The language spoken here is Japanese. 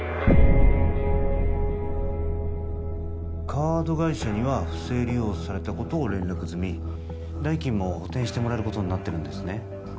カード会社には不正利用されたことを連絡済み代金も補填してもらえることになってるんですね